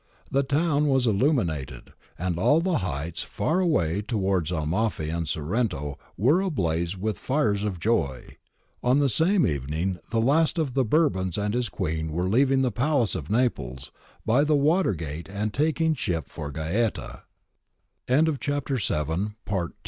The town was illuminated, and all the heights far away towards Amalfi and Sorrento were ablaze with fires of joy. ^ On the same evening the last of the Bourbons and his queen were leaving the Palace of Naples by the water gate and taking sh